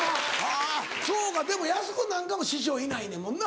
そうかでもやす子なんかも師匠いないねんもんな。